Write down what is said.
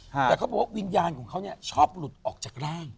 แต่เขาบอกว่าวิญญาณของเขาเนี่ยชอบหลุดออกจากร่าง